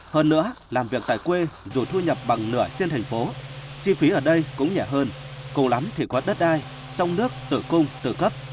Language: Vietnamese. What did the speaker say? hơn nữa làm việc tại quê dù thu nhập bằng nửa trên thành phố chi phí ở đây cũng nhẹ hơn cố lắm thì có đất đai trong nước tử cung tự cấp